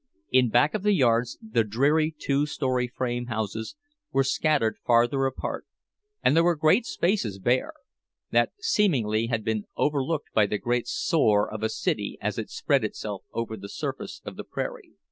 In back of the yards the dreary two story frame houses were scattered farther apart, and there were great spaces bare—that seemingly had been overlooked by the great sore of a city as it spread itself over the surface of the prairie.